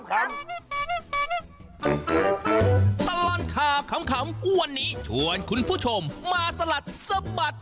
ตลอดข่าวขำวันนี้ชวนคุณผู้ชมมาสลัดสะบัด